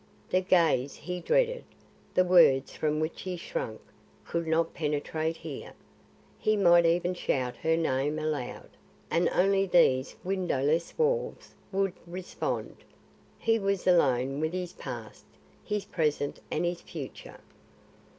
The gaze he dreaded, the words from which he shrank could not penetrate here. He might even shout her name aloud, and only these windowless walls would respond. He was alone with his past, his present and his future.